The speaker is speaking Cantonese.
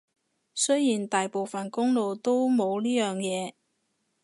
雖然大部分公路都冇呢樣嘢